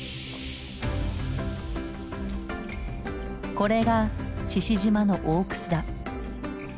これが志々島の大くすだ。